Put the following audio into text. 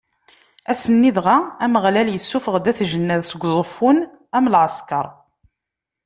Ass-nni dɣa, Ameɣlal issufeɣ-d At Jennad seg Uẓeffun, am lɛeskeṛ.